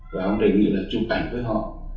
và ông đề nghị là chung cảnh với họ